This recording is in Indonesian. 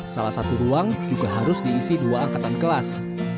salah satu ruang juga harus diisi dua angkatan kelas